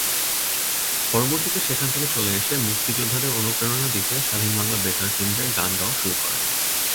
পরবর্তীতে সেখান থেকে চলে এসে মুক্তিযোদ্ধাদের অনুপ্রেরণা দিতে স্বাধীন বাংলা বেতার কেন্দ্রে গান গাওয়া শুরু করেন।